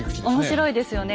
面白いですよね。